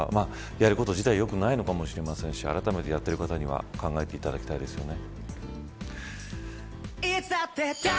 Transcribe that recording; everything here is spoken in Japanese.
やること自体良くないのかもしれませんしあらためてやってる方には考えていただきたいですね。